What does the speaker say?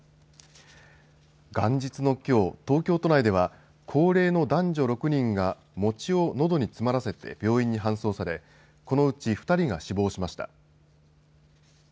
元日のきょう東京都内では高齢の男女６人が餅をのどに詰まらせて病院に搬送されこのうち２人が死亡しました。